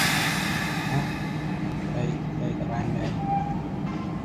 Perelman, however, feels uneasy recommending such a sweeping plan based on relatively little data.